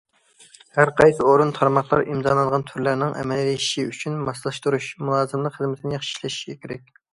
ھەرقايسى ئورۇن، تارماقلار ئىمزالانغان تۈرلەرنىڭ ئەمەلىيلىشىشى ئۈچۈن ماسلاشتۇرۇش، مۇلازىملىق خىزمىتىنى ياخشى ئىشلىشى كېرەك.